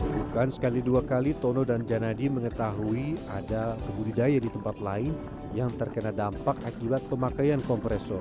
bukan sekali dua kali tono dan janadi mengetahui ada kebudidaya di tempat lain yang terkena dampak akibat pemakaian kompresor